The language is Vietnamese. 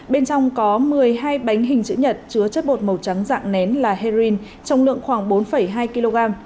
bên trong có một mươi hai bánh hình chữ nhật chứa chất bột màu trắng dạng nén là heroin trọng lượng khoảng bốn hai kg